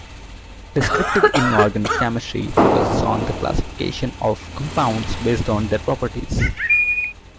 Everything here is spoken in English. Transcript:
Descriptive inorganic chemistry focuses on the classification of compounds based on their properties.